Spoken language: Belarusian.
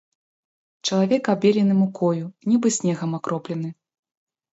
Чалавек абелены мукою, нібы снегам акроплены.